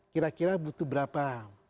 kira kira butuh berapa